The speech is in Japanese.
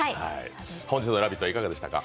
本日の「ラヴィット！」はいかがでしたか？